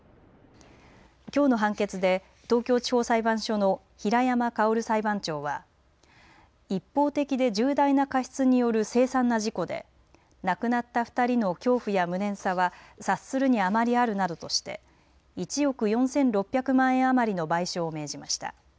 きょうの判決で東京地方裁判所の平山馨裁判長は一方的で重大な過失による凄惨な事故で亡くなった２人の恐怖や無念さは察するにあまりあるなどとして１億４６００万円余りの賠償を命じました。